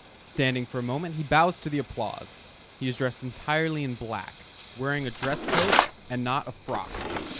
Standing for a moment, he bows to the applause. He is dressed entirely in black; wearing a dress coat, and not a frock.